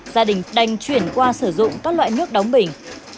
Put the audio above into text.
gia đình đành chuyển qua sử dụng các loại nước đóng bình